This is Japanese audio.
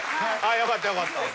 よかったよかった。